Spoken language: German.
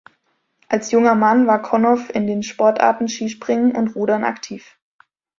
Als junger Mann war Konow in den Sportarten Skispringen und Rudern aktiv.